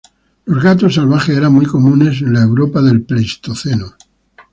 Los gatos salvajes eran muy comunes en la Europa del Pleistoceno.